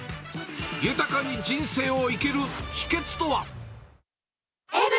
豊かに人生を生きる秘けつとは。